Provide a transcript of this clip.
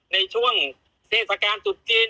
ในช่วงเทศกาลตรุษจีน